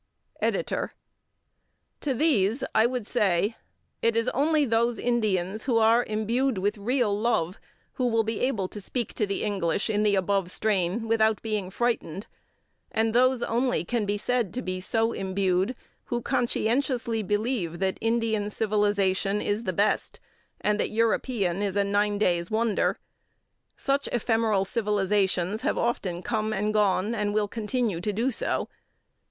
EDITOR: To these I would say: It is only those Indians who are imbued with real love who will be able to speak to the English in the above strain without being frightened, and those only can be said to be so imbued who conscientiously believe that Indian civilization is the best, and that European is a nine days' wonder. Such ephemeral civilizations have often come and gone, and will continue to do so.